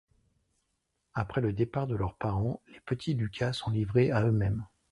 Après le départ de leurs parents, les petits Lucas sont livrés à eux-mêmes.